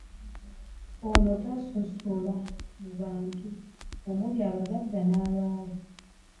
Ono atasosola mu bantu omuli abagagga n'abaavu